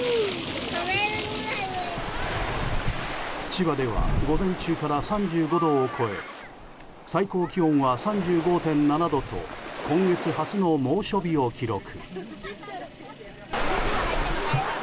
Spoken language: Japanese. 千葉では午前中から３５度を超え最高気温は３５．７度と今月初の猛暑日を記録。